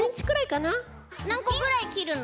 なんこぐらいきるの？